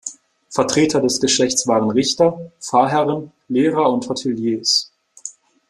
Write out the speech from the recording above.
Vertreter des Geschlechts waren Richter, Pfarrherren, Lehrer und Hoteliers.